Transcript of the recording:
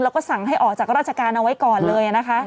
แล้วก็สั่งให้ออกจากราชการเอาไว้ก่อนเลยนะคะ